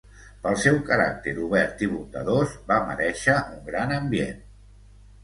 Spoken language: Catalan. Pel seu caràcter obert i bondadós, va merèixer un gran ambient.